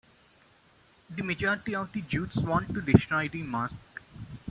The majority of the Jews want to destroy the mosque.